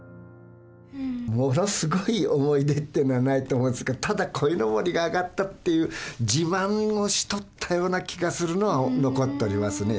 ものすごい思い出ってのはないと思うんですけどただ鯉のぼりがあがったっていう自慢をしとったような気がするのは残っておりますね。